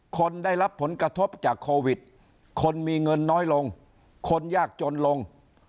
คนได้รับผลกระทบจากโควิดคนมีเงินน้อยลงคนยากจนลง